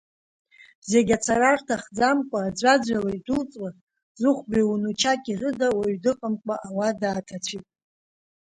Зегьы ацара рҭахӡамкәа, аӡәаӡәала идәылҵуа, Зыхәбеи Унучаки рыда уаҩ дыҟамкәа ауада ааҭацәит.